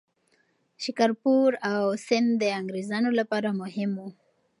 شکارپور او سند د انګریزانو لپاره مهم وو.